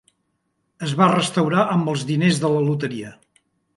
Es va restaurar amb els diners de la loteria.